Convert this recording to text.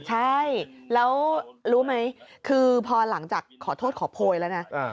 ใช่แล้วรู้ไหมคือพอหลังจากขอโทษขอโพยแล้วนะ